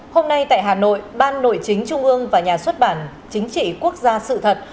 hôm nay tại hà nội ban nội chính trung ương và nhà xuất bản chính trị quốc gia sự thật